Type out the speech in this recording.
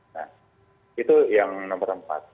nah itu yang nomor empat